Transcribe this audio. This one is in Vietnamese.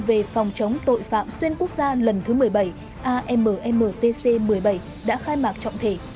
về phòng chống tội phạm xuyên quốc gia lần thứ một mươi bảy ammtc một mươi bảy đã khai mạc trọng thể